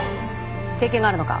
経験があるのか？